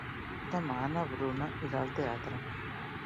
Demà na Bruna irà al teatre.